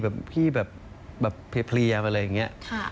เรารู้สึกอย่างไรคะชื่นใจไหมคะ